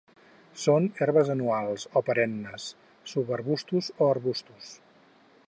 Són herbes anuals o perennes, subarbustos o arbustos.